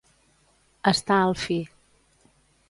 Estar al fi.